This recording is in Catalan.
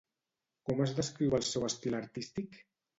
Com es descriu el seu estil artístic?